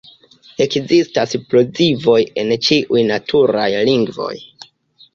Ekzistas plozivoj en ĉiuj naturaj lingvoj.